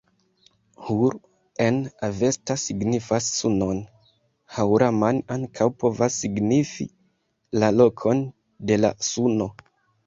Hur en Avesta signifas sunon. Haŭraman ankaŭ povas signifi la lokon de la suno.